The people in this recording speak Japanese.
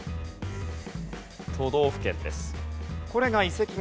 都道府県です。